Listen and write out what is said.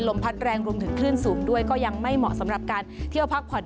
พัดแรงรวมถึงคลื่นสูงด้วยก็ยังไม่เหมาะสำหรับการเที่ยวพักผ่อน